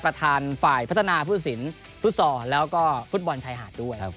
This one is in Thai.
ประธานฝ่ายพัฒนาภูสินภุษศรและฟุตบอลชายหาดด้วย